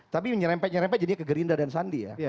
tapi nyerempet nyerempet jadinya ke gerindra dan sandi ya